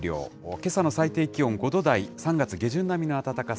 けさの最低気温、５度台、３月下旬並みの暖かさ。